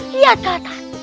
lihat ke atas